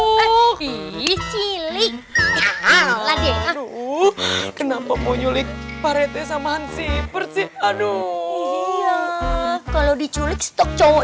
ngelik ala dewa kenapa mau nyulik paret sama hansi bersih aduh kalau diculik stok cowok